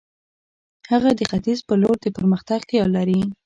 هغه د ختیځ پر لور د پرمختګ خیال لري.